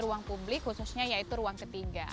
ruang publik khususnya yaitu ruang ketiga